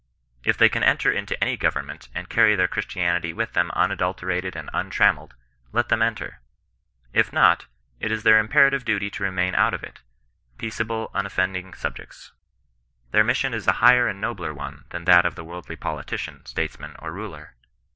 If they can enter into any govemment and cany their Christianity with them un adulterated and untrammelled, let them enter. If not, Jt is their imperative duty to remain out of it, peace CHBISTIAN NON BESISTANOE. 67 able, unoffending subjects. Their mission is a higher and nobler one than that of the worldly politician, statesman, or ruler.